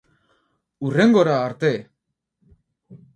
Hurrengora arte!